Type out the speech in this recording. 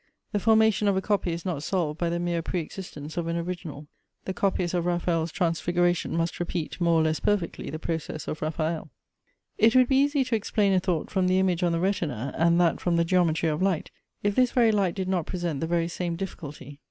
The formation of a copy is not solved by the mere pre existence of an original; the copyist of Raffael's Transfiguration must repeat more or less perfectly the process of Raffael. It would be easy to explain a thought from the image on the retina, and that from the geometry of light, if this very light did not present the very same difficulty.